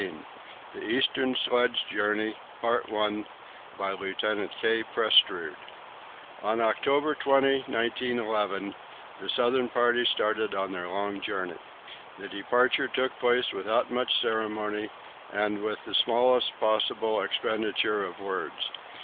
CHAPTER XV The Eastern Sledge Journey By Lieutenant K. Prestrud On October 20, 1911, the southern party started on their long journey. The departure took place without much ceremony, and with the smallest possible expenditure of words.